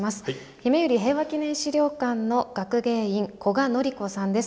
ひめゆり平和祈念資料館の学芸員古賀徳子さんです。